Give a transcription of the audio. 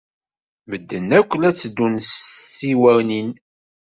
Medden akk la tteddun s tsiwanin.